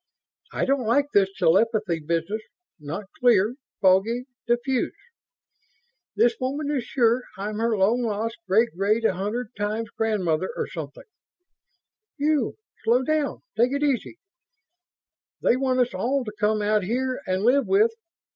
I don't like this telepathy business ... not clear ... foggy, diffuse ... this woman is sure I'm her long lost great great a hundred times grandmother or something You! Slow down. Take it easy! They want us all to come out here and live with